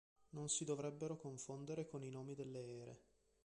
Non si dovrebbero confondere con i nomi delle ere.